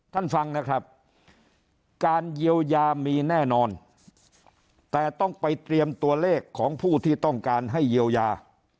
ฟังนะครับการเยียวยามีแน่นอนแต่ต้องไปเตรียมตัวเลขของผู้ที่ต้องการให้เยียวยา